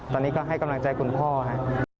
ตอนนี้ก็ให้กำลังใจคุณพ่อครับ